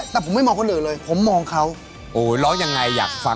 แต่ผมไม่มองคนอื่นเลยผมมองเขา